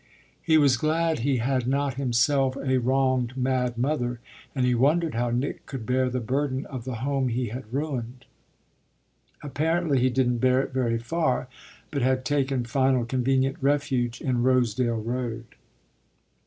He was glad he had not himself a wronged mad mother, and he wondered how Nick could bear the burden of the home he had ruined. Apparently he didn't bear it very far, but had taken final, convenient refuge in Rosedale Road.